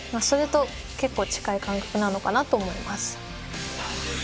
それと結構近い感覚なのかなと思います。